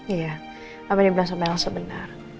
iya mbak nien benar sama elsa benar